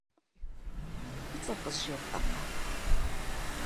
Уи цӀэр къызжепӀэркъэ.